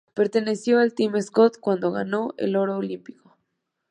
Perteneció al team Scott cuando gano el oro olímpico.